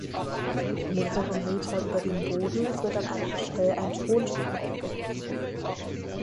Mehrere Meter über den Boden wird an einem Gestell ein Tontopf aufgehängt.